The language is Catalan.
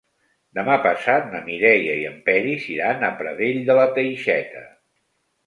Demà passat na Mireia i en Peris iran a Pradell de la Teixeta.